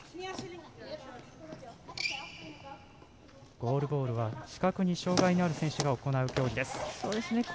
ゴールボールは視覚に障がいのある選手が行う競技です。